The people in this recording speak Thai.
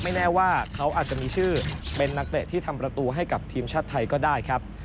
แน่ว่าเขาอาจจะมีชื่อเป็นนักเตะที่ทำประตูให้กับทีมชาติไทยก็ได้ครับ